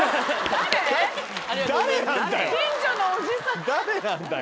誰なんだよ。